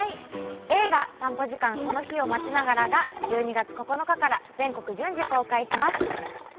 ◆映画「散歩時間その日を待ちながら」が１２月９日から全国順次公開します。